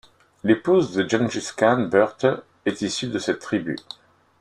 L'épouse de Gengis Khan, Börte, est issue de cette tribu.